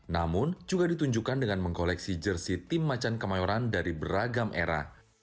namun juga ditunjukkan dengan mengkoleksi jersi tim macan kemayoran dari beragam era